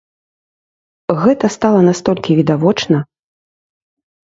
Гэта стала настолькі відавочна!